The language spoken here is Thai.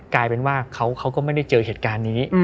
กลายเป็นว่าเขาก็ไม่ได้เจอเหตุการณ์นี้